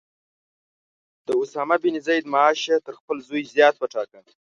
د اسامه بن زید معاش یې تر خپل زوی زیات وټاکه.